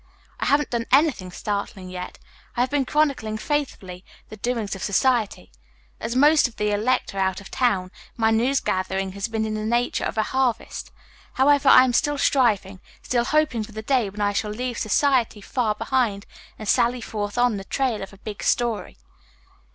"I haven't done anything startling yet; I have been chronicling faithfully the doings of society. As most of the elect are out of town, my news gathering has not been in the nature of a harvest. However, I am still striving, still hoping for the day when I shall leave society far behind and sally forth on the trail of a big story.